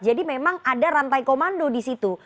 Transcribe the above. jadi memang ada rantai komando disitu